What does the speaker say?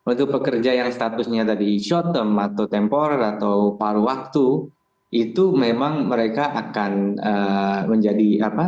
untuk pekerja yang statusnya tadi short term atau temporer atau paru waktu itu memang mereka akan menjadi apa